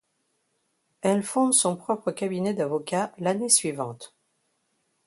Elle fonde son propre cabinet d'avocat l'année suivante.